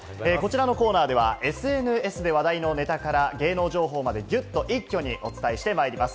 このコーナーではＳＮＳで話題のネタから芸能情報まで一挙にぎゅっとお伝えしていきます。